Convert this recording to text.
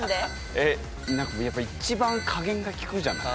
えっ何かやっぱり一番加減が利くじゃない？